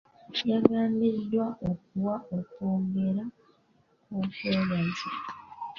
Yagambiddwa okuwa okwogera kw'okwebaza.